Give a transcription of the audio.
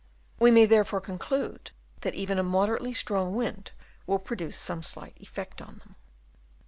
We may therefore conclude that even a moderately strong wind will produce some slight effect on them.